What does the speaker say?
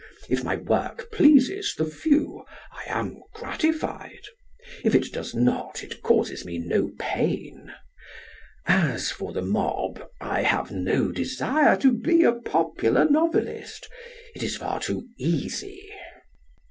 If my work pleases the few, I am gratified. If it does not, it causes me no pain. As for the mob, I have no desire to be a popular novelist. It is far too easy.